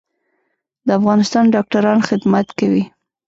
د افغانستان ډاکټران خدمت کوي